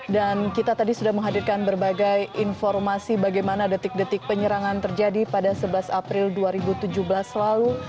dan kita tadi sudah menghadirkan berbagai informasi bagaimana detik detik penyerangan terjadi pada sebelas april dua ribu tujuh belas lalu